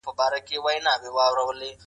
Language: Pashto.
کېدای سي د ساینس څېړني ډېر وخت ونیسي.